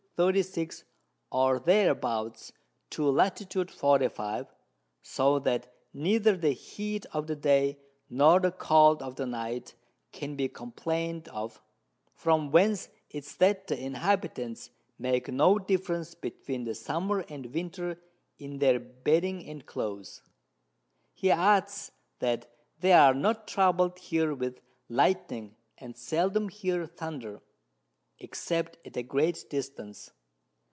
36, or thereabouts to Lat. 45, so that neither the Heat of the Day nor the Cold of the Night can be complain'd of, from whence it is that the Inhabitants make no difference between the Summer and Winter in their Bedding and Clothes. He adds, that they are not troubled here with Lightning, and seldom hear Thunder, except at a great distance.